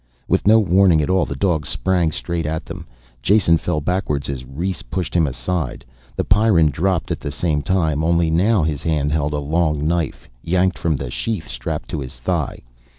With no warning at all the dog sprang straight at them. Jason fell backwards as Rhes pushed him aside. The Pyrran dropped at the same time only now his hand held the long knife, yanked from the sheath strapped to his thigh.